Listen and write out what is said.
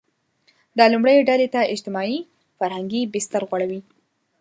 دا لومړۍ ډلې ته اجتماعي – فرهنګي بستر غوړوي.